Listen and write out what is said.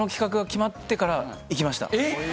えっ！